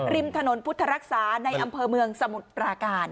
ริมถนนพุทธรักษาในอำเภอเมืองสมุทรปราการ